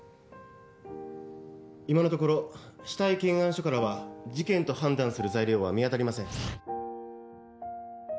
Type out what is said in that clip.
今のところ死体検案書からは事件と判断する材料は見当たりません